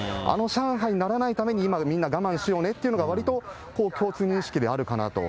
上海にならないためにみんな今、我慢しようねというのが、共通認識であるかなと。